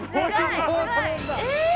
えっ！？